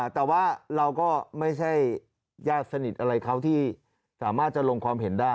แต่ว่าเราก็ไม่ใช่ญาติสนิทอะไรเขาที่สามารถจะลงความเห็นได้